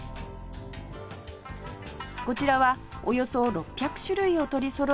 こちらはおよそ６００種類を取りそろえる